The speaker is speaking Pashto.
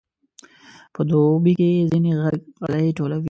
په دوبي کې ځینې خلک غالۍ ټولوي.